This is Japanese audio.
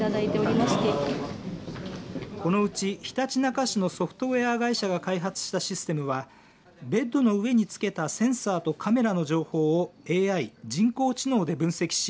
このうち、ひたちなか市のソフトウエア会社が開発したシステムはベットの上に付けたセンサーとカメラの情報をＡＩ、人工知能で分析し